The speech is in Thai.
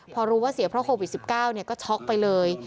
พอรู้ว่าเสียเพราะโควิด๑๙ก็ช็อกไปเลย